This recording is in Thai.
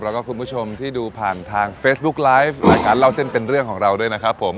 แล้วก็คุณผู้ชมที่ดูผ่านทางเฟซบุ๊คไลฟ์รายการเล่าเส้นเป็นเรื่องของเราด้วยนะครับผม